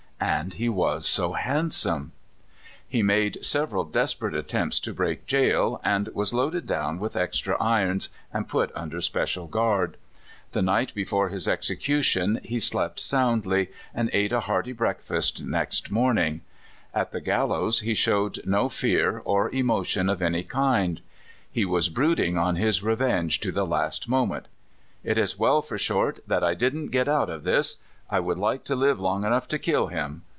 And he was so handsome ! He made several desperate attempts to break jail, and was loaded down with extra irons and put under special guard. The night before his execu tion he slept soundlv, and ate a hearty breakfast next morning. At the gallows he showed no fear A YOUTHFUL DESPERADO. II3 or emotion of any kind. He was brooding on his revenge to the last moment. *' It is well for Short that I didn't get out of this — I would like to live long enough to kill him!"